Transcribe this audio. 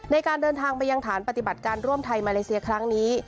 ในการเดินทางไปยังฐานปฏิบัติการร่วมไทยมาเลเซียครั้งนี้